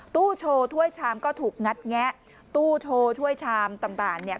ตู้โชว์ถ้วยชามก็ถูกงัดแงะตู้โชว์ถ้วยชามต่างเนี่ย